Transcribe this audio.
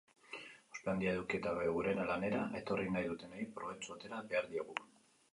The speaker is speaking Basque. Ospe handia eduki eta gurera lanera etorri nahi dutenei probetxua atera behar diegu.